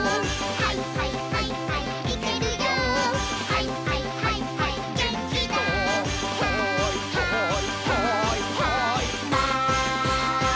「はいはいはいはいマン」